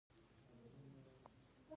ایا زه لمر ته کیناستلی شم؟